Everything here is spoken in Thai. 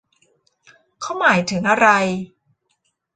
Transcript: เขาหมายถึงอะไร